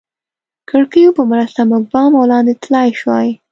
کړکیو په مرسته موږ بام او لاندې تلای شوای.